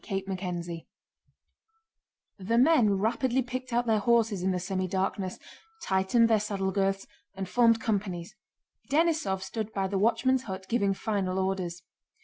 CHAPTER XI The men rapidly picked out their horses in the semidarkness, tightened their saddle girths, and formed companies. Denísov stood by the watchman's hut giving final orders.